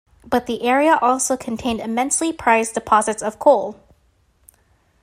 But the area also contained immensely prized deposits of coal.